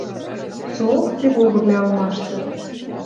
Соок тревогывлӓ ылмашты.